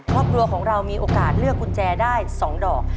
ครอบครัวของเรามีโอกาสเลือกกุญแจได้๒ดอก